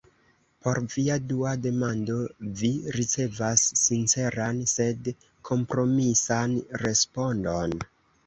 Por via dua demando vi ricevas sinceran sed kompromisan respondon.